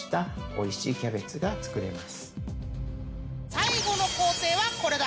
［最後の工程はこれだ！］